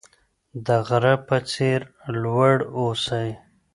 د غره په څیر لوړ اوسئ.